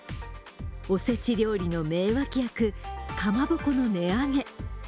お節料理の名脇役、かまぼこの値上げ。